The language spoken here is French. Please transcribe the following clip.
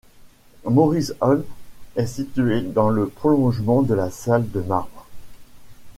Maurice Hall est situé dans le prolongement de la salle de marbre.